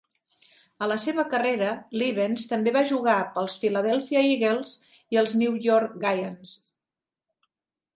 A la seva carrera, Levens també va jugar per als Philadelphia Eagles i els New York Giants.